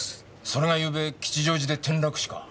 それがゆうべ吉祥寺で転落死か。